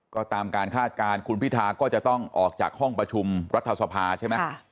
ก็ตามการคาดการณ์คุณพิธาก็จะต้องออกจากห้องประชุมรัฐสภาใช่ไหม